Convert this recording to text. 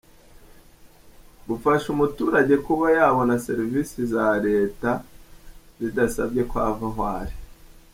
rw bufasha umuturage kuba yabona serivisi za leta bidasabye ko ava aho ari.